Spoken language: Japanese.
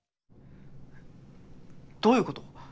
どういうこと？